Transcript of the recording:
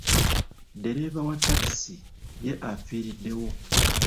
Ddereeva wa takisi ye afiiriddewo.